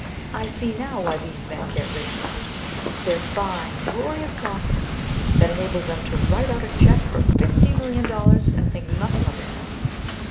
I see now why these men get rich. It's their fine, glorious confidence, that enables them to write out a cheque for fifty million dollars and think nothing of it.